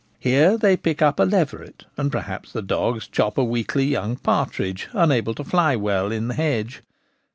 Here they pick up a leveret, and perhaps the dogs chop a weakly young partridge, unable to fly well, in the hedge.